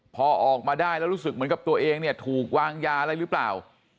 พอออกมาได้แล้วรู้สึกเหมือนกับตัวเองเนี่ยถูกวางยาอะไรหรือเปล่า